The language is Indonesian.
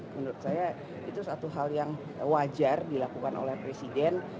menurut saya itu satu hal yang wajar dilakukan oleh presiden